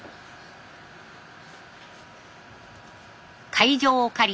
会場を借り